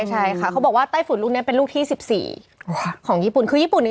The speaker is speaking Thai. ใช่ค่ะเขาบอกว่าใต้ฝุ่นลูกนี้เป็นลูกที่๑๔ของญี่ปุ่น